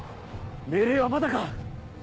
命令はまだか！